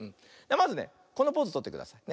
まずねこのポーズとってくださいね。